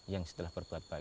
yang setelah berbuat baik